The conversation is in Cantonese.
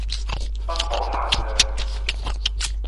不可限量